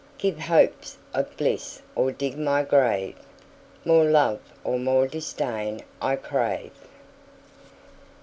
10 Give hopes of bliss or dig my grave: More love or more disdain I crave.